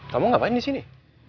kamu ngapain disini